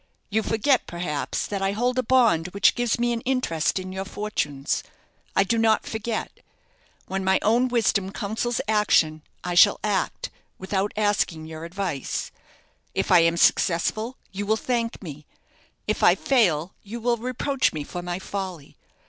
You forget, perhaps, that I hold a bond which gives me an interest in your fortunes. I do not forget. When my own wisdom counsels action, I shall act, without asking your advice. If I am successful, you will thank me. If I fail, you will reproach me for my folly.